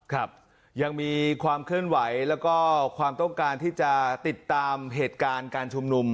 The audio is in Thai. ครับยังมีความเคลื่อนไหวแล้วก็ความต้องการที่จะติดตามเหตุการณ์การชุมนุม